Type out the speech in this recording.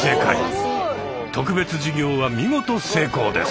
特別授業は見事成功です。